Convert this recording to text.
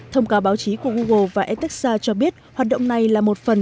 thông cáo báo chí của google và etexa cho biết hoạt động này là một phần